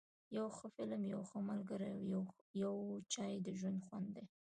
یو ښه فلم، یو ښه ملګری او یو چای ، د ژوند خوند دی.